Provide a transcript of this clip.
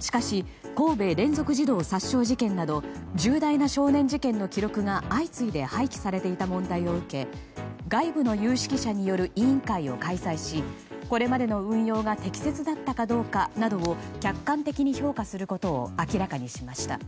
しかし神戸連続児童殺傷事件など重大な少年事件の記録が相次いで廃棄されていた問題を受け外部の有識者による委員会を開催しこれまでの運用が適切だったかどうかなどを客観的に評価することを明らかにしました。